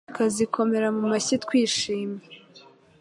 tukazikomera mu mashyi twishimye.